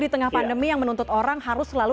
di tengah pandemi yang menuntut orang harus selalu